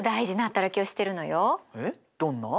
えっどんな？